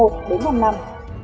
từ một đến năm năm